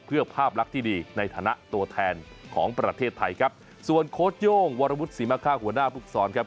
เพื่อภาพลักษณ์ที่ดีในฐานะตัวแทนของประเทศไทยครับส่วนโค้ชโย่งวรวุฒิศรีมะค่าหัวหน้าภูกษรครับ